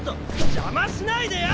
邪魔しないでよ！！